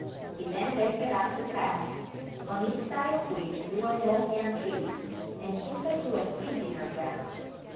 He then led her up the path, on each side of which grew a row of young trees, and took her to a seat in our grounds.